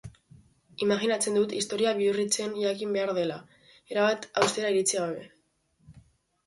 Imajinatzen dut istorioa bihurritzen jakin behar dela, erabat haustera iritsi gabe.